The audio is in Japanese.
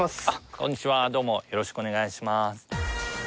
こんにちはどうもよろしくお願いします